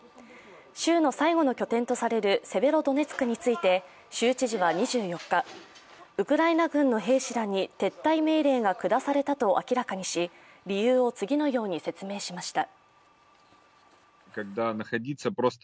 州の最後の拠点とされるセベロドネツクについて州知事は２４日、ウクライナ軍の兵士らに撤退命令が下されたと明らかにし理由を次のように説明しました。